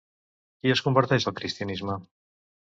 Qui es converteix al cristianisme?